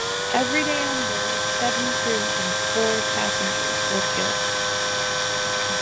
Everybody on board, seven crew and four passengers, were killed.